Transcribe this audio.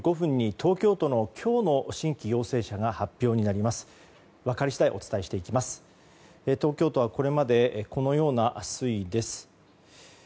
東京都はこれまでこのような推移です。